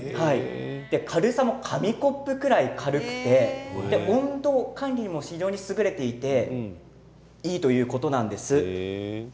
軽さも紙コップぐらい軽くて温度管理も非常に優れていていいということなんです。